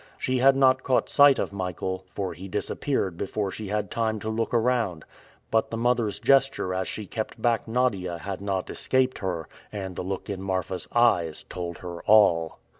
She had not caught sight of Michael, for he disappeared before she had time to look around; but the mother's gesture as she kept back Nadia had not escaped her, and the look in Marfa's eyes told her all.